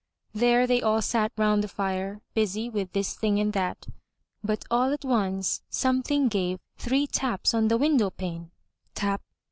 There they all sat round the fire, busy with this thing and that. But all at once, something gave three taps on the window pane — tap!